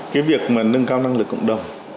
cái việc mà nâng cao năng lực cộng đồng